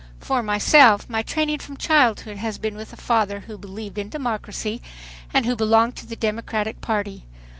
For myself, my training from childhood has been with a father who believed in democracy and who belonged to the Democratic Party.